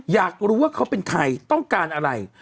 อยากรู้ว่าเขาเป็นใครต้องการอะไร